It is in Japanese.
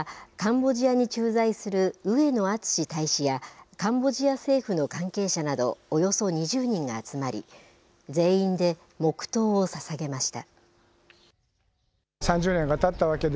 会場には、カンボジアに駐在する植野篤志大使やカンボジア政府の関係者などおよそ２０人が集まり、全員で黙とうをささげました。